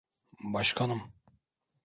Başkanım.